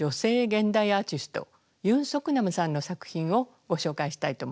現代アーティストユン・ソクナムさんの作品をご紹介したいと思います。